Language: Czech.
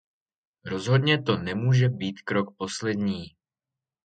Rozhodně to nemůže být krok poslední.